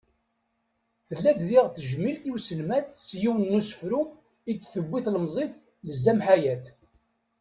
Tella-d diɣ tejmilt i uselmad s yiwen n usefru, i d-tewwi tlemẓit Lezzam Ḥayat.